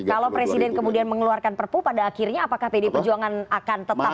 kalau presiden kemudian mengeluarkan perpu pada akhirnya apakah pd perjuangan akan tetap